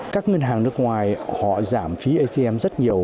các ngân hàng nước ngoài họ giảm phí atm rất nhiều